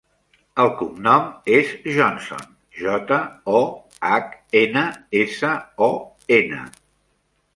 El cognom és Johnson: jota, o, hac, ena, essa, o, ena.